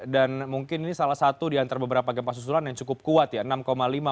dan mungkin ini salah satu di antara beberapa gempa susulan yang cukup kuat ya